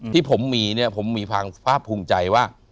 ที่ผมมีเนี่ยผมมีความภาคภูมิใจว่า